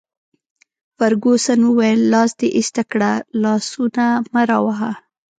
فرګوسن وویل: لاس دي ایسته کړه، لاسونه مه راوهه.